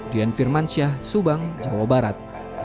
dian firmansyah subang jawa barat